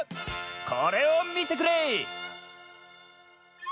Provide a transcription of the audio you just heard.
これをみてくれ！